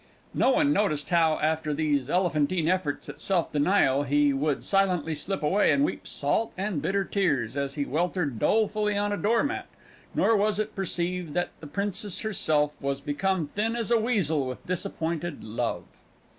No one noticed how, after these elephantine efforts at self denial, he would silently slip away and weep salt and bitter tears as he weltered dolefully on a doormat; nor was it perceived that the Princess herself was become thin as a weasel with disappointed love.